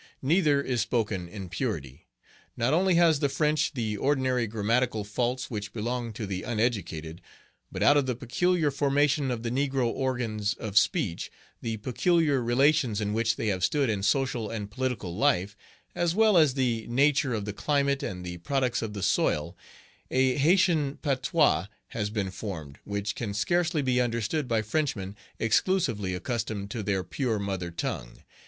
Neither is spoken in purity. Not only has the French the ordinary grammatical faults which belong to the uneducated, but out of the peculiar formation of the negro organs of speech, the peculiar relations in which they have stood in social and political life, as as well as the nature of the climate and the products of the soil, a Haytian patois has been formed which can scarcely be understood by Frenchmen exclusively accustomed to their pure mother tongue.